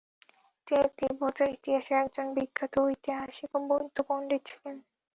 তিনি তিব্বতের ইতিহাসের একজন বিখ্যাত ঐতিহাসিক ও বৌদ্ধ পণ্ডিত ছিলেন।